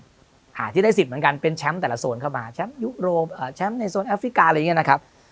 หาที่ได้สิทธิ์เหมือนกันเป็นแชมป์แต่ละโซนเข้ามาแชมป์ยุโรปอ่าแชมป์ในโซนแอฟริกาอะไรอย่างเงี้นะครับ